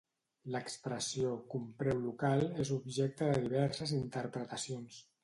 L'expressió "compreu local" és objecte de diverses interpretacions.